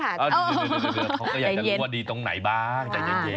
เขาก็อยากจะรู้ว่าดีตรงไหนบ้างใจเย็น